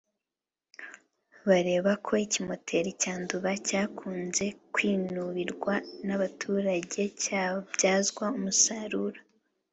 bareba ko ikimoteri cya Nduba cyakunze kwinubirwa n’abaturage cyabyazwa umusaruro